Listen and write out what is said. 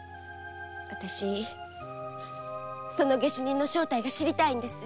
私その下手人の正体を知りたいんです。